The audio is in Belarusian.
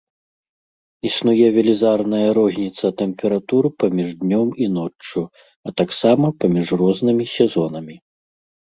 Існуе велізарная розніца тэмператур паміж днём і ноччу, а таксама паміж рознымі сезонамі.